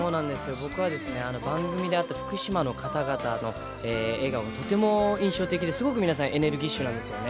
僕は番組で会った福島の方々の笑顔、とても印象的で、すごく皆さん、エネルギッシュなんですよね。